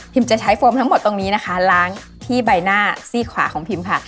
จะใช้โฟมทั้งหมดตรงนี้นะคะล้างที่ใบหน้าซี่ขวาของพิมค่ะ